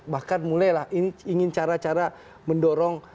bahkan mulailah ingin cara cara mendorong